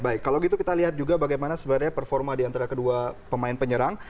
baik kalau gitu kita lihat juga bagaimana sebenarnya performa diantara kedua pemain penyerang